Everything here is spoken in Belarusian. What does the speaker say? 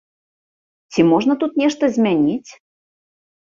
Ці можна тут нешта змяніць?